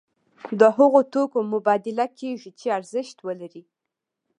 د هغو توکو مبادله کیږي چې ارزښت ولري.